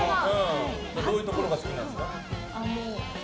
どういうところが好きなんですか。